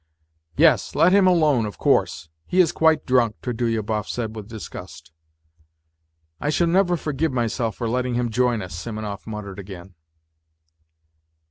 " Yes, let him alone, of course ! He is quite drunk," Trudolyu bov said with disgust. " I shall never forgive myself for letting him join us," Simonov muttered again.